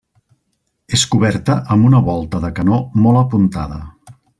És coberta amb una volta de canó molt apuntada.